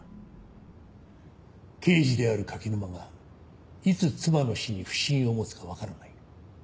刑事である柿沼がいつ妻の死に不審を持つかわからない。